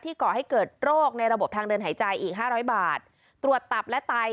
ก่อให้เกิดโรคในระบบทางเดินหายใจอีกห้าร้อยบาทตรวจตับและไต